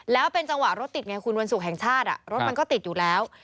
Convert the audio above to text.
แล้วเป็นจังหวะรถติดไงคุณวันศุกร์แห่งชาติรถมันก็ติดอยู่แล้ว